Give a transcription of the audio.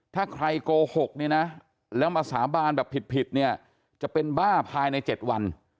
ถ้าใครโกหกเนี่ยนะแล้วมาสาบานแบบผิดเนี่ยจะเป็นบ้าภายใน๗วัน